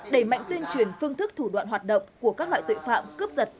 đẩy mạnh tuyên truyền phương thức thủ đoạn hoạt động của các loại tội phạm cướp giật